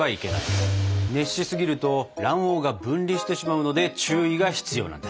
熱しすぎると卵黄が分離してしまうので注意が必要なんだ。